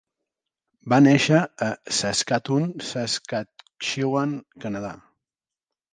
Va néixer a Saskatoon, Saskatchewan, Canadà.